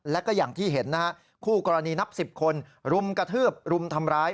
แล้วก็อย่างที่เห็นนะฮะคู่กรณีนับ๑๐คนรุมกระทืบรุมทำร้าย